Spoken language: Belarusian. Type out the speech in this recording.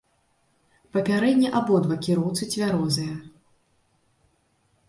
Папярэдне абодва кіроўцы цвярозыя.